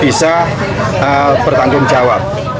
bisa bertanggung jawab